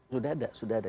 sudah ada sudah ada